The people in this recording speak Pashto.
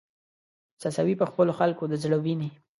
څڅوې په خپلو خلکو د زړه وینې